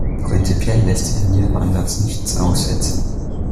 Prinzipiell lässt sich an diesem Ansatz nichts aussetzen.